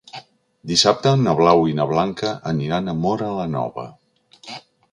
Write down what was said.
Dissabte na Blau i na Blanca aniran a Móra la Nova.